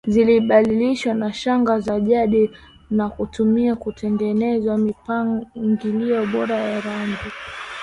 zilibadilishwa na shanga za jadi na kutumiwa kutengeneza mipangilio bora ya rangi